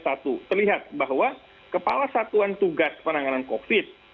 terlihat bahwa kepala satuan tugas penanganan covid sembilan belas